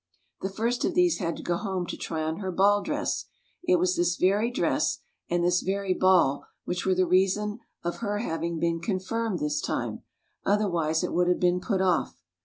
The first of these had to go home to try on her ball dress ; it was this very dress and this very ball which were the reason of her having been confirmed this time; otherwise it would have been put off.